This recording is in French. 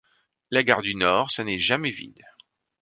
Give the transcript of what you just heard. La Gare du Nord, ça n’est jamais vide.